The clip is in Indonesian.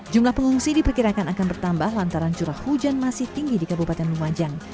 jumlah pengungsi diperkirakan akan bertambah lantaran curah hujan masih tinggi di kabupaten lumajang